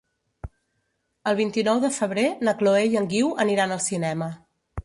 El vint-i-nou de febrer na Chloé i en Guiu aniran al cinema.